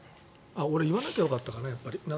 俺、言わなきゃよかったかな。